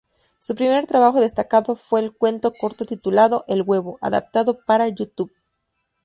Su primer trabajo destacado fue el cuento corto titulado "El huevo" adaptado para YouTube.